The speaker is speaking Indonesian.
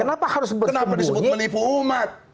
kenapa disebut menipu umat